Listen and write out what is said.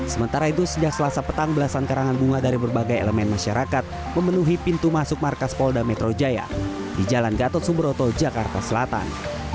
sementara itu sejak selasa petang belasan karangan bunga dari berbagai elemen masyarakat memenuhi pintu masuk markas polda metro jaya di jalan gatot subroto jakarta selatan